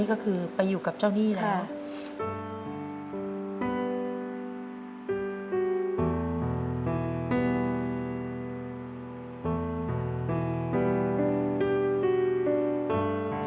ก็คือไปอยู่กับเจ้าหนี้แล้ว